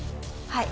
はい。